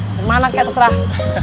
dimana kayak terserah